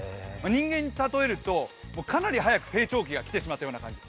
人間に例えると、かなり早く成長期が来てしまった感じ。